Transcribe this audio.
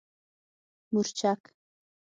🌶 مورچک